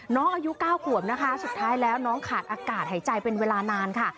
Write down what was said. น้องอายุ๙ขวบนะคะสุดท้ายแล้วน้องขาดอากาศหายใจเป็นเวลานานค่ะ